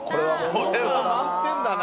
これは満点だな。